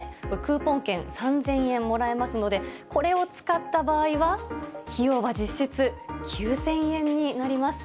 さらに平日のため、クーポン券３０００円もらえますので、これを使った場合は、費用は実質９０００円になります。